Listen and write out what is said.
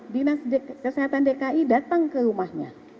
dinas kesehatan dki datang ke rumahnya